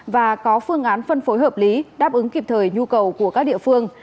và có phương án phân phối hợp lý đáp ứng kịp thời nhu cầu của các địa phương